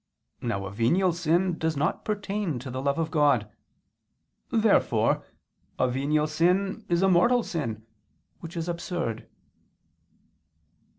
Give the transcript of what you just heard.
Now a venial sin does not pertain to the love of God. Therefore a venial sin is a mortal sin, which is absurd.